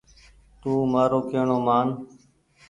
تو مآرو ڪيهڻو مان ۔